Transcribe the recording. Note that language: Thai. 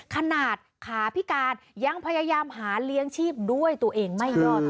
ขนาดขาพิการยังพยายามหาเลี้ยงชีพด้วยตัวเองไม่รอด